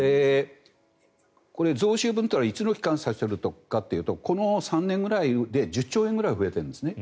これ、増収分というのはいつの期間を指しているかというとこの３年ぐらいで１０兆円くらい増えてるんですね。